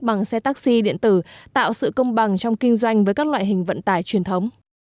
bằng xe taxi điện tử tạo sự công bằng trong kinh doanh với các loại hình vận tải truyền thống